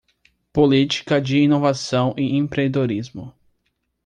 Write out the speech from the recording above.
Política de inovação e empreendedorismo